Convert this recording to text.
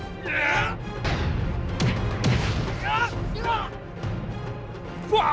kalian bisa selesaikanaya